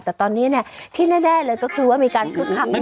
แต่ตอนนี้เนี่ยที่แน่เลยก็คือว่ามีการคุดทักมาก